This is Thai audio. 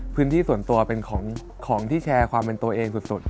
พื้นที่ส่วนตัวคุณแชร์ความเป็นตัวเองสุด